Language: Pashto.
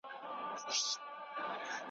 نه پر چا احسان د سوځېدو لري ,